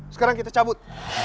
sekarang kita cabut